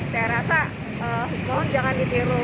saya rasa mohon jangan ditiru